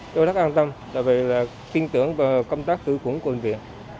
tôi rất an tâm đặc biệt là tin tưởng vào công tác thử khuẩn của bệnh viện